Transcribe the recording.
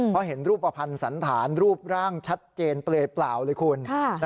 เพราะเห็นรูปภัณฑ์สันฐานรูปร่างชัดเจนเปลือยเปล่าเลยคุณ